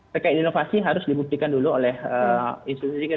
terkait inovasi harus dibuktikan dulu oleh institusi